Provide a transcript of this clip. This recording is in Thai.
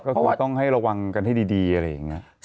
ก็คือต้องให้ระวังกันให้ดีอะไรอย่างนี้